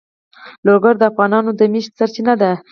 لوگر د افغانانو د معیشت سرچینه ده.